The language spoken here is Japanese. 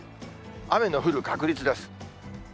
雨の降る確率です。